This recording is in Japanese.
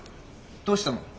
どうしたの？